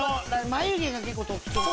眉毛が結構特徴的。